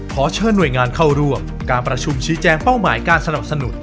ขอเชิญหน่วยงานเข้าร่วมการประชุมชี้แจงเป้าหมายการสนับสนุน